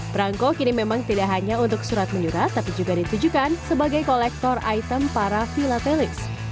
perangko kini memang tidak hanya untuk surat menyurat tapi juga ditujukan sebagai kolektor item para vilatelis